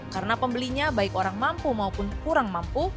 karena pembelinya baik orang mampu maupun kurang mampu